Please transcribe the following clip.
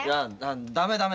ダメダメ。